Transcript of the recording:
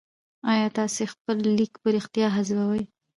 آيا تاسي خپل ليکل په رښتيا حذفوئ ؟